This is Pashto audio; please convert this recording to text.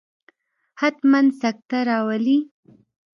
حتما سکته راولي.